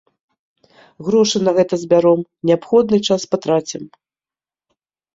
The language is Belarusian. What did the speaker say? Грошы на гэта збяром, неабходны час патрацім.